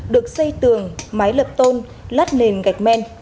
được xây tường máy lập tôn lắt nền gạch men